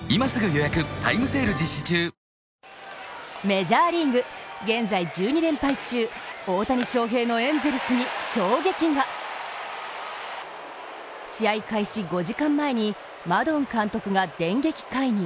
メジャーリーグ現在１２連敗中、大谷翔平のエンゼルスに衝撃が試合開始５時間前にマドン監督が電撃解任。